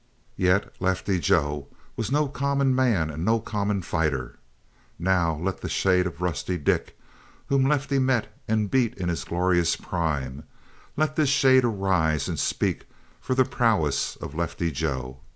Yet Lefty Joe was no common man and no common fighter. No, let the shade of Rusty Dick, whom Lefty met and beat in his glorious prime let this shade arise and speak for the prowess of Lefty Joe.